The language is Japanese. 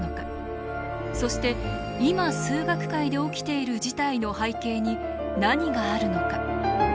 そして今数学界で起きている事態の背景に何があるのか。